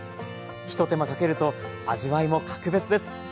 ひと手間かけると味わいも格別です。